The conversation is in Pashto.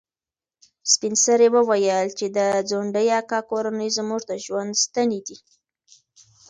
سپین سرې وویل چې د ځونډي اکا کورنۍ زموږ د ژوند ستنې دي.